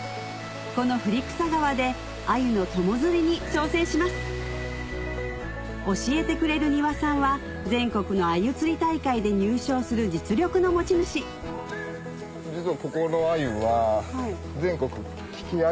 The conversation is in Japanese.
この振草川でアユの友釣りに挑戦します教えてくれる丹羽さんは全国のアユ釣り大会で入賞する実力の持ち主実は。